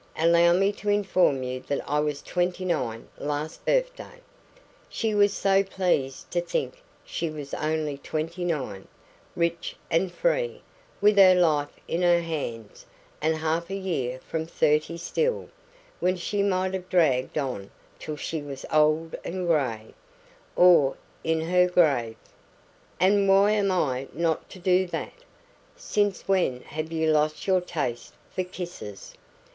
Allow me to inform you that I was twenty nine last birthday." She was so pleased to think she was only twenty nine, rich and free, with her life in her hands, and half a year from thirty still, when she might have dragged on till she was old and grey, or in her grave! "And why am I not to do that? Since when have you lost your taste for kisses?"